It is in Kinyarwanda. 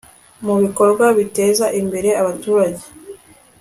mubikorwa biteza imbere abaturage